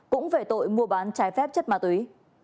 cũng về tội mua bán trái phép chất ma túy